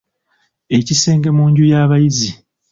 Ekisenge mu nju y'abayizi.